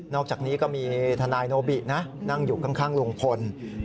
อกจากนี้ก็มีทนายโนบินะนั่งอยู่ข้างลุงพล